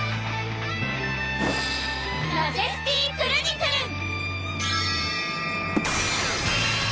マジェスティクルニクルン！